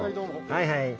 はいはい。